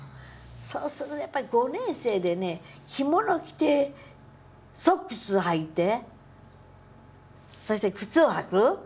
そうするとやっぱり５年生でね着物着てソックスはいてそして靴を履く。